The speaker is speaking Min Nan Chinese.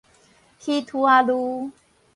齒托仔攄